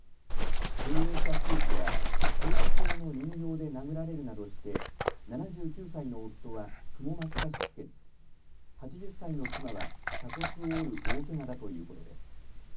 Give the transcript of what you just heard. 経営者夫婦は陶器製の人形で殴られるなどして７９歳の夫はくも膜下出血、８０歳の妻は鎖骨を折る大けがだということです。